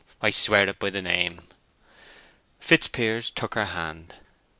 I swear it by the name." Fitzpiers took her hand.